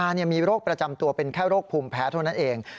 มีโรคประจำตัวเป็นแค่โรคภูมิแพ้เท่านั้นเอง